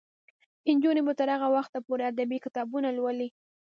نجونې به تر هغه وخته پورې ادبي کتابونه لولي.